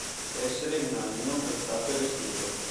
Essere un asino calzato e vestito.